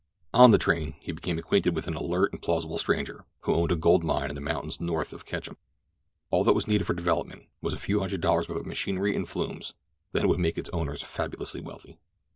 On the train he had become acquainted with an alert and plausible stranger who owned a gold mine in the mountains north of Ketchum. All that was needed for development was a few hundred dollars' worth of machinery and flumes—then it would make its owners fabulously wealthy.